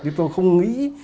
chứ tôi không nghĩ